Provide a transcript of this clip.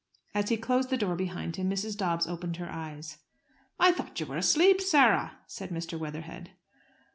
As he closed the door behind him, Mrs. Dobbs opened her eyes. "I thought you were asleep, Sarah," said Mr. Weatherhead.